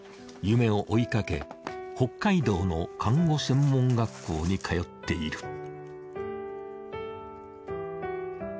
夢を追いかけ北海道の看護専門学校に通っている。